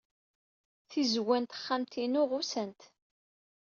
Tizewwa n texxamt-inu ɣusant.